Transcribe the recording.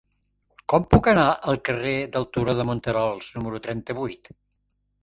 Com puc anar al carrer del Turó de Monterols número trenta-vuit?